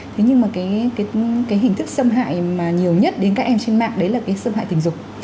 thế nhưng mà cái hình thức xâm hại mà nhiều nhất đến các em trên mạng đấy là cái xâm hại tình dục